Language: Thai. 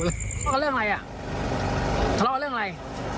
เรื่องอะไรอ่ะทะเลาะเรื่องอะไร